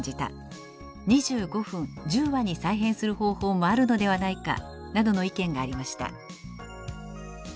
２５分１０話に再編する方法もあるのではないか」などの意見がありました。